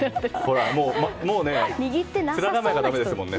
もう面構えがだめですよね。